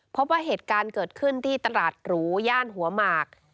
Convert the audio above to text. พบว่าเหตุการณ์เกิดขึ้นที่ตลาดหรูย่านหัวหมาก